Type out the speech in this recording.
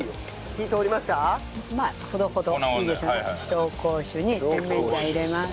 紹興酒に甜麺醤入れます。